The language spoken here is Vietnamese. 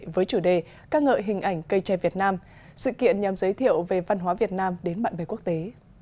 với chủ đề ca ngợi hình ảnh cây tre việt nam sự kiện nhằm giới thiệu về văn hóa việt nam đến bạn bè quốc tế